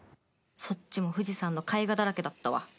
そっちも富士山の絵画だらけだったわ。